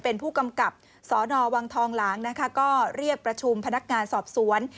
เป็นผู้กำกับสนวังทองหลางนะคะก็เรียกประชุมพนักงานสอบสวน